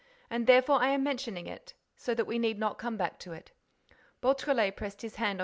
And therefore I am mentioning it—so that we need not come back to it." Beautrelet pressed his hand on M.